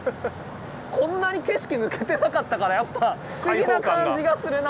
こんなに景色抜けてなかったからやっぱ不思議な感じがするな。